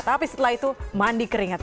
tapi setelah itu mandi keringat